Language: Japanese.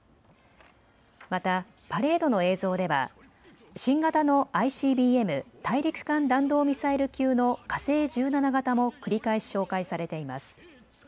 またパレードの映像では新型のＩＣＢＭ・大陸間弾道ミサイル級の火星１７型も繰り返し紹介されています。